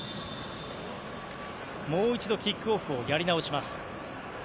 もう一度キックオフをやり直します。